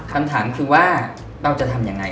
คำถามคือว่าเราจะทำยังไง